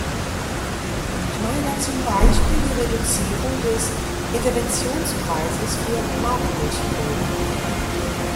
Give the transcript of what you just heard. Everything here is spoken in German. Ich meine da zum Beispiel die Reduzierung des Interventionspreises für Magermilchpulver.